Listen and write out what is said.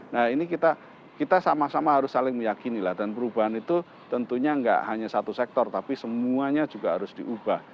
nah ini kita sama sama harus saling meyakini lah dan perubahan itu tentunya nggak hanya satu sektor tapi semuanya juga harus diubah